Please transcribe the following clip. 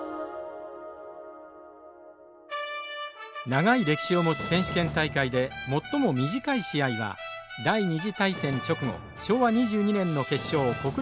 長い歴史を持つ選手権大会で最も短い試合は第２次大戦直後昭和２２年の決勝小倉中学対岐阜商業です。